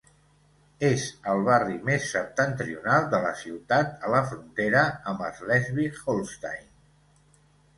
És el barri més septentrional de la ciutat a la frontera amb Slesvig-Holstein.